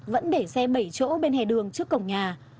vẫn để xe bảy chỗ bên hè đường trước cổng nhà